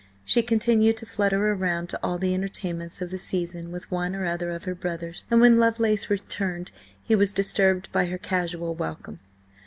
She continued to flutter round to all the entertainments of the season with one or other of her brothers, and when Lovelace returned he was disturbed by her casual welcome.